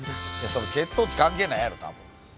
それ血糖値関係ないやろ多分。